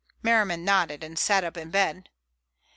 Merriman nodded and sat up in bed.